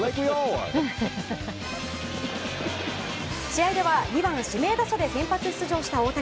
試合では２番指名打者で先発出場した大谷。